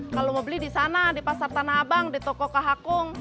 kalau mau beli di sana di pasar tanah abang di toko kahakung